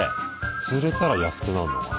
釣れたら安くなんのかな？